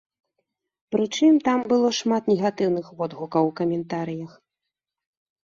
Прычым, там было шмат негатыўных водгукаў у каментарыях.